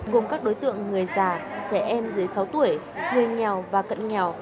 gồm các đối tượng người già trẻ em dưới sáu tuổi người nghèo và cận nghèo